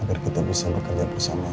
agar kita bisa bekerja bersama